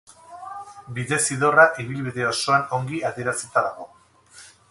Bidezidorra ibilbide osoan ongi adierazita dago.